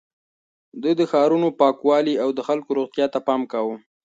ده د ښارونو پاکوالي او د خلکو روغتيا ته پام کاوه.